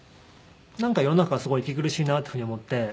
なんか世の中がすごい息苦しいなっていうふうに思って。